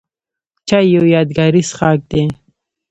چای یو یادګاري څښاک دی.